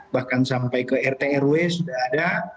bahkan sampai ke rt rw sudah ada